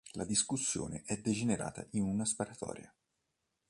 La discussione è degenerata in una sparatoria.